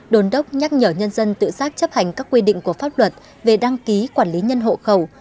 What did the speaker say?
đồn đốc nhắc nhở nhân dân tự giác chấp hành các quy định của pháp luật về đăng ký quản lý nhân hộ khẩu